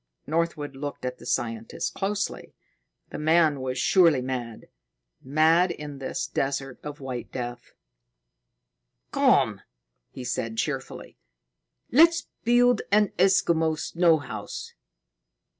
Northwood looked at the scientist closely. The man was surely mad mad in this desert of white death. "Come!" he said cheerfully. "Let's build an Eskimo snow house.